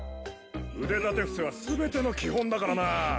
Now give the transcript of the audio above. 腕立て伏せは全ての基本だからな。